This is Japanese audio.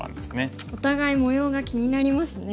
お互い模様が気になりますね。